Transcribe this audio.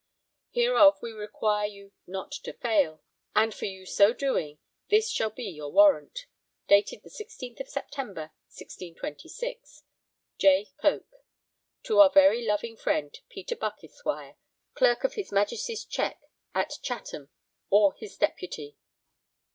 Hereof we require you not to fail. And for your so doing this shall be your warrant. Dated the 16 of September 1626. J. COKE. To our very loving friend Peter Buck, Esq., Clerk of his Majesty's Check at Chatham or his deputy.